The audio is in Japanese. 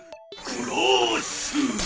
クラッシュ！